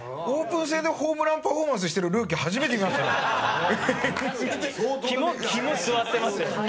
オープン戦でホームランパフォーマンスしてるルーキー初めて見ましたね。